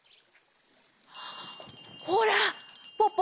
ほらポポ